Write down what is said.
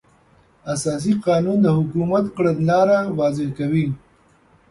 اساسي قانون د حکومت کړنلاره واضح کوي.